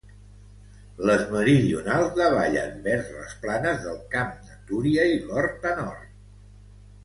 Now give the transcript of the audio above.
Les meridionals davallen vers les planes del Camp de Túria i l'Horta Nord.